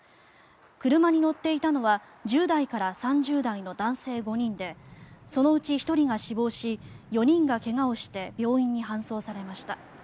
車に乗っていたのは１０代から３０代の男性５人でそのうち１人が死亡し４人が怪我をして病院に搬送されました。